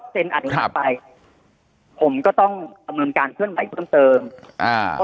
ไปครับผมก็ต้องอมือนการเทื่อนใหม่เพิ่มเติมอ่า